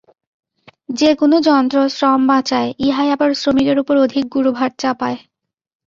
যে-কোন যন্ত্র শ্রম বাঁচায়, ইহাই আবার শ্রমিকের উপর অধিক গুরুভার চাপায়।